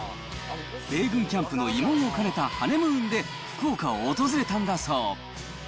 米軍キャンプの慰問を兼ねたハネムーンで福岡を訪れたんだそう。